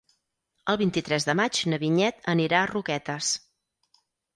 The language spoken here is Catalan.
El vint-i-tres de maig na Vinyet anirà a Roquetes.